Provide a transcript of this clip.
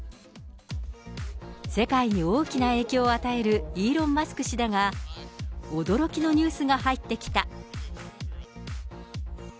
世界に大きな影響を与えるイーロン・マスク氏だが、驚きのニュースが入ってきた。